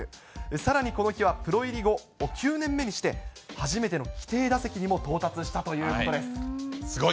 さらにこの日はプロ入り後９年目にして初めての規定打席にも到達すごい。